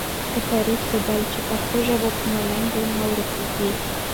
خو تاریخ ښودلې، چې ژبې په ملنډو نه ورکېږي،